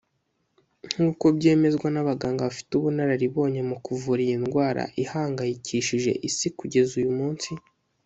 nk’uko byemezwa n’abaganga bafite ubunararibonye mu kuvura iyi ndwara ihangayikishije isi kugeza uyu munsi